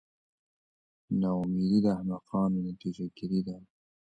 نا امیدي د احمقانو نتیجه ګیري ده.